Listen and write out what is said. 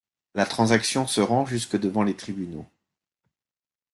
La transaction se rend jusque devant les tribunaux.